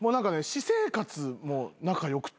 私生活も仲良くて。